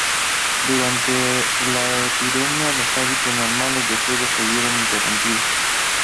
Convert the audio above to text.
Durante la epidemia, los hábitos normales de juego se vieron interrumpidos.